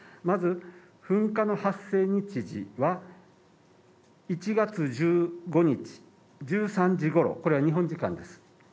まず、噴火の発生日時は、１月１５日１３時ごろ、これは日本時間です。